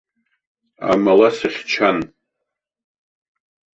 Амала сыхьчан!